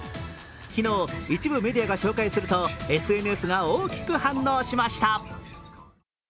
昨日、一部メディアが紹介するとＳＮＳが大きく反応しました。